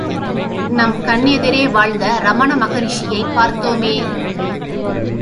நம் கண் எதிரே வாழ்ந்த ரமண மகிரிஷியைப் பார்த்தோமே.